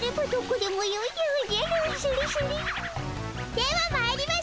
ではまいりましょ！